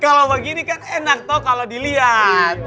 kalau begini kan enak toh kalau dilihat